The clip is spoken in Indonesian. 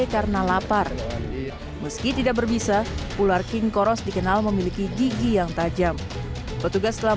karena lapar meski tidak berbisa ular king koros dikenal memiliki gigi yang tajam petugas telah